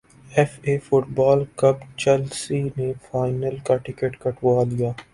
F A football کپچیلسی نے final کا ٹکٹ کٹوا لیا